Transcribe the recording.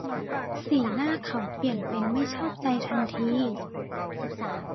สีหน้าเค้าเปลี่ยนเป็นไม่ชอบใจทันที